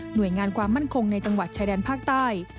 โดยงานความมั่นคงในจังหวัดชายแดนภาคใต้